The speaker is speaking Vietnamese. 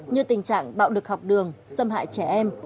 như tình trạng bạo lực học đường xâm hại trẻ em